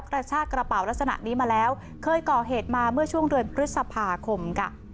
กระชากระเป๋าลักษณะนี้มาแล้วเคยก่อเหตุมาเมื่อช่วงเดือนพฤษภาคมค่ะ